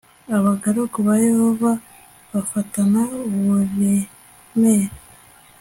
abagaragu ba yehova bafatana uburemere